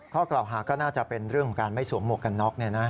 ข้อกล่าวหาก็น่าจะเป็นเรื่องของการไม่สวมหมวกกันน็อก